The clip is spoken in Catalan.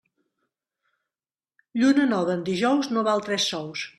Lluna nova en dijous no val tres sous.